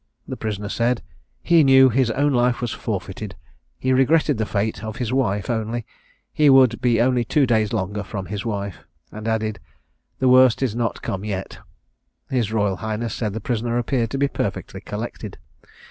The prisoner said, "He knew his own life was forfeited; he regretted the fate of his wife only; he would be only two days longer from his wife;" and he added, "The worst is not come yet." His royal highness said the prisoner appeared to be perfectly collected.